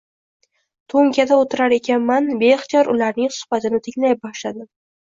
Toʻnkada oʻtirar ekanman, beixtiyor ularning suhbatini tinglay boshladim.